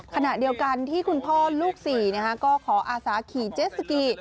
ขณะเดียวกันที่คุณพ่อลูก๔ก็ขออาศาขี่เจสสกี